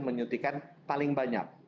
menyutikan paling banyak